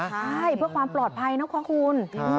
ใช่เพื่อความปลอดภัยนะคะคุณ